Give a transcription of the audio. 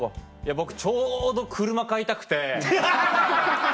僕ちょうど車買いたくて。アハハハハ！